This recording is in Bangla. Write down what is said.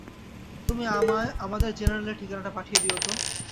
তুমি আমায় আমাদের জেনারেল-এর ঠিকানাটা পাঠিয়ে দিও তো।